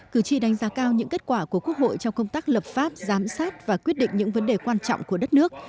cử tri đánh giá cao những kết quả của quốc hội trong công tác lập pháp giám sát và quyết định những vấn đề quan trọng của đất nước